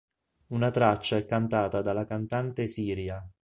Una traccia è cantata dalla cantante Syria.